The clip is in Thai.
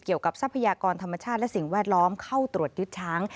ทรัพยากรธรรมชาติและสิ่งแวดล้อมเข้าตรวจยึดช้าง